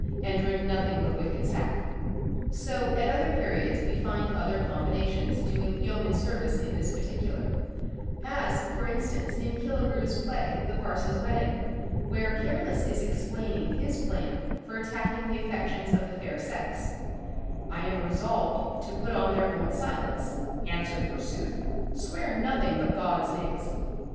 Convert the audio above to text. _ and drink nothing but wicked sack." So at other periods we find other combinations doing yeoman service in this particular; as, for instance, in Killigrew's play 'The Parson's Wedding,' where Careless is explaining his plan for attacking the affections of the fair sex "I am resolved to put on their own silence, answer forsooth, swear nothing but God's nigs."